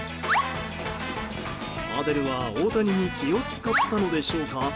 アデルは、大谷に気を使ったのでしょうか。